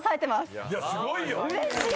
うれしい！